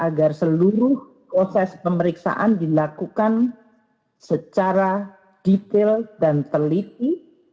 agar seluruh proses pemeriksaan dilakukan secara detail dan teliti